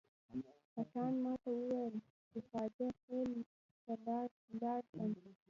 پټان ماته وویل چې خواجه خیل ته ولاړ شم.